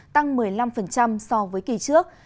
tăng một mươi năm so với kỳ trước